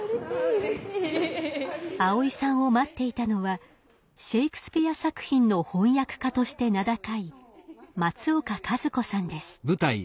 蒼井さんを待っていたのはシェイクスピア作品の翻訳家として名高い松岡和子さんです。